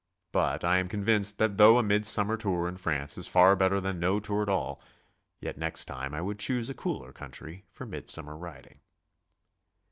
but I am convinced that though a mid sum mer tour in France is far better than no tour at all, yet next time I wx)uld choose a cooler country for mid summer riding.